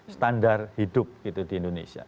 standar hidup di indonesia